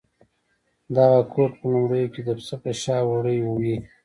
دغه کوټ په لومړیو کې د پسه په شا وړۍ وې.